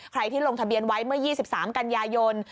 ใครที่ลงทะเบียนไว้เมื่อ๒๓กันยายน